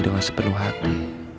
dengan sepenuh hati